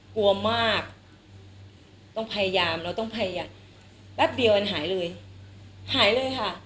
กลัวมากต้องพยายามเราต้องพยายามแป๊บเดียวมันหายเลยหายเลยค่ะ